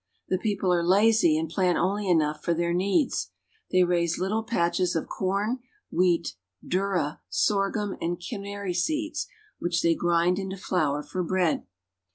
The people are lazy and plai only enough for their needs. They raise little patches o corn, wheat, durra, sorghum, and canary seeds, which t grind into flour for bread.